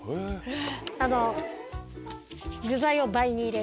具材を倍に入れる。